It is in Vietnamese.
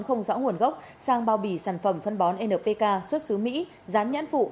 không rõ nguồn gốc sang bao bì sản phẩm phân bón npk xuất xứ mỹ dán nhãn phụ